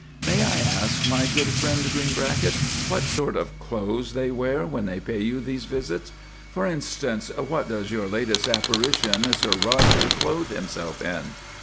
"May I ask, my good friend Greenbracket, what sort of clothes they wear when they pay you these visits; for instance, what does your latest apparition, Sir Rodger, clothe himself in?"